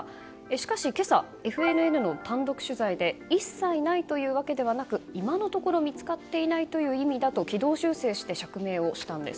しかし、今朝ＦＮＮの単独取材で一切ないというわけではなく今のところ見つかっていないという意味だと軌道修正して釈明をしたんです。